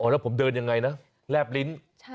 แล้วผมเดินยังไงนะแลบลิ้น